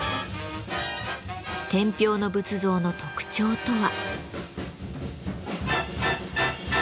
天平の仏像の特徴とは？